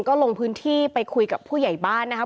ก็ลงพื้นที่ไปคุยกับผู้ใหญ่บ้านนะครับ